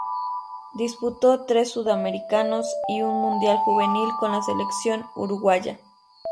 Disputó tres sudamericanos y un mundial juvenil con la selección uruguaya.